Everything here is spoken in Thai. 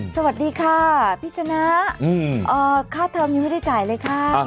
สวัสดีค่ะพี่ชนะค่าเทอมยังไม่ได้จ่ายเลยค่ะ